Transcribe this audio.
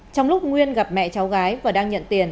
trong lúc nguyên gặp mẹ cháu gái và đang nhận tiền